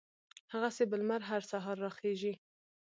هغسې به لمر هر سهار را خېژي